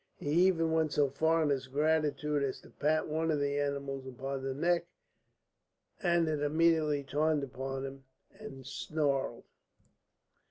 He even went so far in his gratitude as to pat one of the animals upon the neck, and it immediately turned upon him and snarled.